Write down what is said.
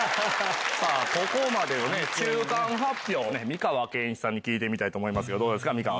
ここまでの中間発表を美川憲一さんに聞いてみたいと思いますどうですか？